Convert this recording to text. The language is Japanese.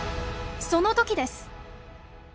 その時です！